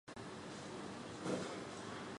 新安人。